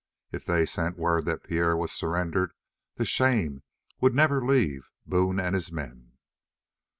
If they sent word that Pierre was surrendered the shame would never leave Boone and his men.